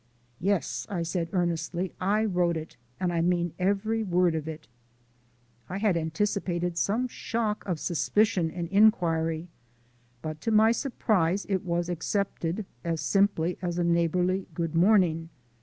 "Yes," I said earnestly, "I wrote it, and I mean every word of it." I had anticipated some shock of suspicion and inquiry, but to my surprise it was accepted as simply as a neighbourly good morning.